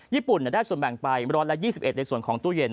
ญี่ปุ่นได้ส่วนแบ่งไป๑๒๑ในส่วนของตู้เย็น